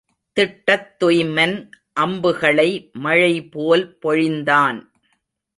திட்டத்துய்மன் அம்புகளை மழை போல் பொழிந்தான்.